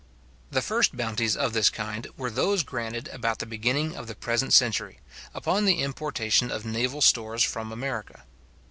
The first bounties of this kind were those granted about the beginning of the present century, upon the importation of naval stores from America.